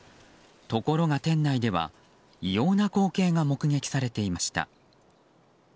ところが店内では異様な光景が目撃されていました。